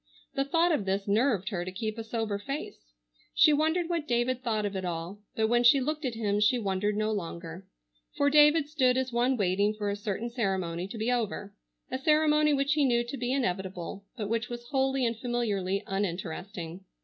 The thought of this nerved her to keep a sober face. She wondered what David thought of it all, but when she looked at him she wondered no longer, for David stood as one waiting for a certain ceremony to be over, a ceremony which he knew to be inevitable, but which was wholly and familiarly uninteresting.